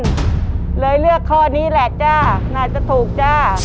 ก็เลยเลือกข้อนี้แหละจ้าน่าจะถูกจ้า